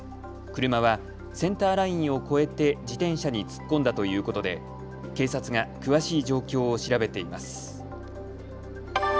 車はセンターラインを越えて自転車に突っ込んだということで警察が詳しい状況を調べています。